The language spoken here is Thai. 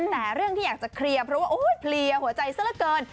แต่เรื่องที่อยากจะเคลียร์เพราะว่าเพลียหัวใจซะละเกิน